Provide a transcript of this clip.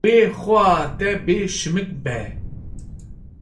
Wê xweha te bê şimik be.